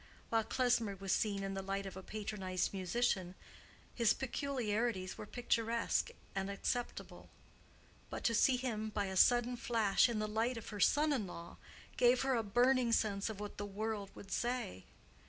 While Klesmer was seen in the light of a patronized musician, his peculiarities were picturesque and acceptable: but to see him by a sudden flash in the light of her son in law gave her a burning sense of what the world would say.